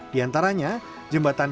di antaranya jembatan